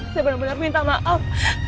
saya benar benar minta maaf